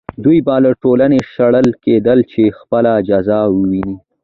دوی به له ټولنې شړل کېدل چې خپله جزا وویني.